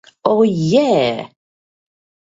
A Yeah!